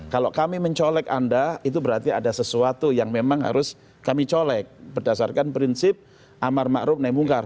kalau kami mencolek anda itu berarti ada sesuatu yang memang harus kami colek berdasarkan prinsip amar ma'ruf naim mungkar